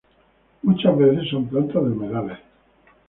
Muchas veces son plantas de humedales.